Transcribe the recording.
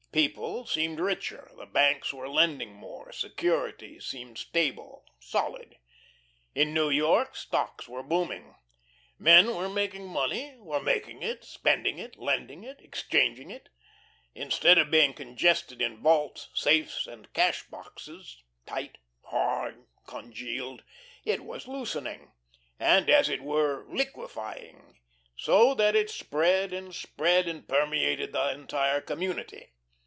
People seemed richer, the banks were lending more, securities seemed stable, solid. In New York, stocks were booming. Men were making money were making it, spending it, lending it, exchanging it. Instead of being congested in vaults, safes, and cash boxes, tight, hard, congealed, it was loosening, and, as it were, liquefying, so that it spread and spread and permeated the entire community.